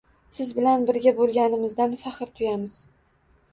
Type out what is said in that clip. Siz bilan birga bo‘lganimizdan faxr tuyamiz!»